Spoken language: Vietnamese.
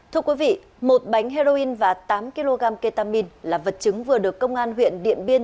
thưa quý vị một bánh heroin và tám kg ketamin là vật chứng vừa được công an huyện điện biên